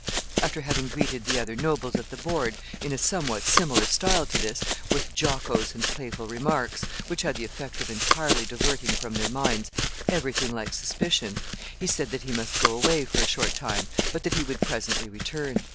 After having greeted the other nobles at the board in a somewhat similar style to this, with jocose and playful remarks, which had the effect of entirely diverting from their minds every thing like suspicion, he said that he must go away for a short time, but that he would presently return.